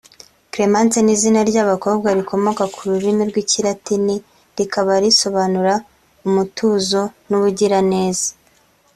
Clémence ni izina ry’abakobwa rikomoka ku rurimi rw’Ikilatini rikaba risobanura “Umutuzo n’ubugiraneza”